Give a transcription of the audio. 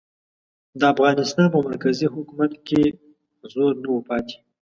د افغانستان په مرکزي حکومت کې زور نه و پاتې.